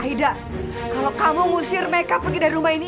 aida kalau kamu ngusir mereka pergi dari rumah ini